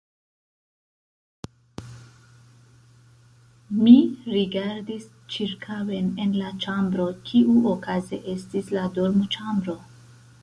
Mi rigardis ĉirkaŭen en la ĉambro, kiu okaze estis la dormoĉambro.